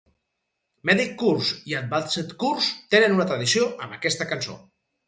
Medic Course i Advanced Course tenen una tradició amb aquesta cançó.